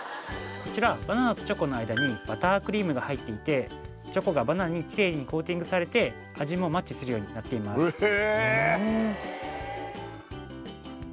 こちらバナナとチョコの間にバタークリームが入っていてチョコがバナナにきれいにコーティングされて味もマッチするようになっていますへえ！